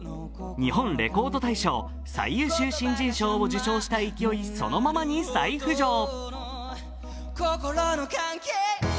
「日本レコード大賞」最優秀新人賞を受賞した勢い、そのままに再浮上。